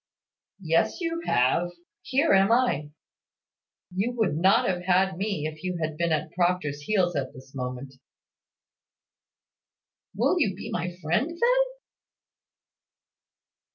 "Yes, you have. Here am I. You would not have had me, if you had been at Proctor's heels at this moment." "Will you be my friend, then?"